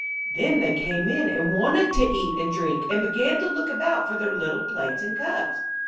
Then they came in, and wanted to eat and drink, and began to look about for their little plates and cups.